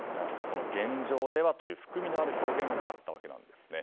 現状ではという含みのある表現があったわけですね。